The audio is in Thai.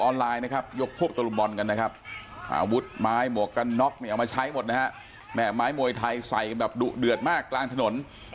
หน้าโรงเรียนนี้มีตำรวจจาระจร